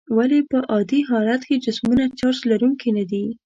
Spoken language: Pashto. ولې په عادي حالت کې جسمونه چارج لرونکي ندي؟